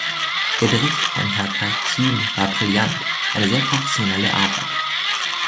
Der Bericht von Herrn Kacin war brillant, eine sehr professionelle Arbeit.